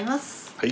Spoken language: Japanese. はい。